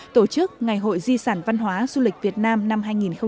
tổ chức ngày hội di sản văn hóa du lịch việt nam năm hai nghìn một mươi chín